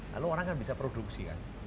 lalu orang kan bisa produksi kan